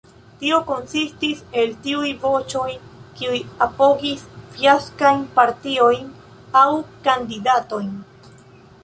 Tio konsistis el tiuj voĉoj, kiuj apogis fiaskajn partiojn, aŭ kandidatojn.